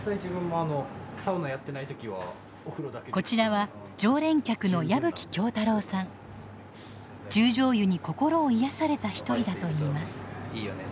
こちらは十條湯に心を癒やされた一人だといいます。